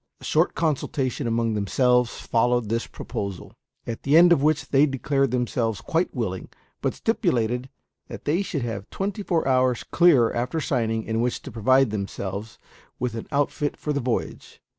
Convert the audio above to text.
A short consultation among themselves followed this proposal, at the end of which they declared themselves quite willing, but stipulated that they should have twenty four hours clear after signing, in which to provide themselves with an outfit for the voyage.